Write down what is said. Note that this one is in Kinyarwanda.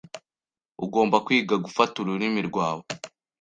Ugomba kwiga gufata ururimi rwawe.